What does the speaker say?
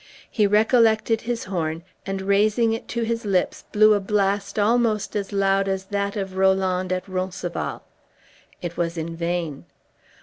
He recollected his horn, and raising it to his lips, blew a blast almost as loud as that of Roland at Roncesvalles. It was in vain.